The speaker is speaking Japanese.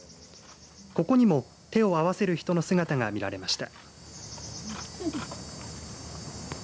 ここにも手を合わせる人の姿が見られました。